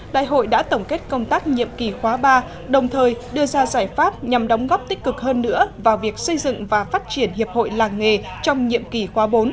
đại hội đã tổng kết công tác nhiệm kỳ khóa ba đồng thời đưa ra giải pháp nhằm đóng góp tích cực hơn nữa vào việc xây dựng và phát triển hiệp hội làng nghề trong nhiệm kỳ khóa bốn